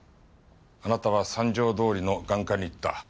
あなたは三条通りの眼科に行った。